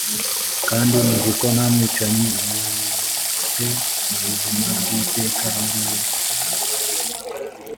kandi muzi ko nta mwicanyi u u te ubuzima bw iteka muri we